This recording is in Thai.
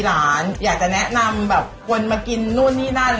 แล้วผมจะแนะนำคนมากินนี้นั่น